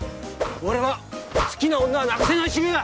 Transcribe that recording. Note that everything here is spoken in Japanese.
俺は好きな女は泣かせない主義だ。